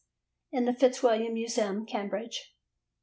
in the Fitzwilliam Museum, Cambridge.